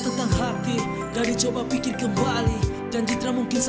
terima kasih dec stucks